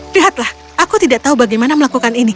lihatlah aku tidak tahu bagaimana melakukan ini